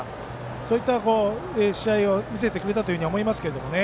そういった試合を見せてくれたと思います。